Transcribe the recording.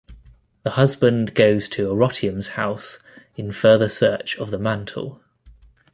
The husband goes to Erotium's house in further search of the mantle.